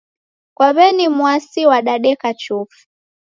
Kwa w'eni Mwasi wadadeka chofi.